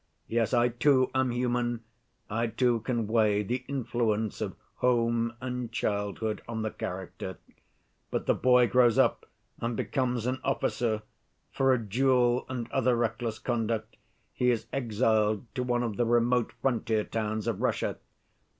Yes, I, too, am human; I, too, can weigh the influence of home and childhood on the character. But the boy grows up and becomes an officer; for a duel and other reckless conduct he is exiled to one of the remote frontier towns of Russia.